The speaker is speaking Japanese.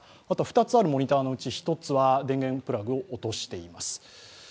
あと２つあるモニターのうち１つは電源プラグを落としています。